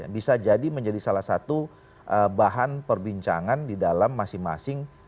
bisa jadi menjadi salah satu bahan perbincangan di dalam masing masing